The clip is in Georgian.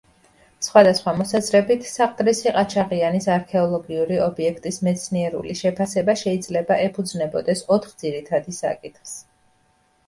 სხვადასხვა მოსაზრებით, საყდრისი-ყაჩაღიანის არქეოლოგიური ობიექტის მეცნიერული შეფასება შეიძლება ეფუძნებოდეს ოთხ ძირითადი საკითხს.